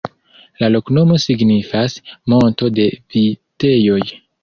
La loknomo signifas: "monto de vitejoj.